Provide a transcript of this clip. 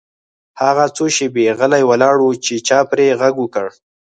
هغه څو شیبې غلی ولاړ و چې چا پرې غږ وکړ